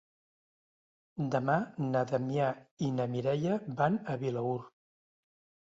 Demà na Damià i na Mireia van a Vilaür.